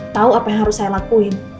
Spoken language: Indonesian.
tahu apa yang harus saya lakuin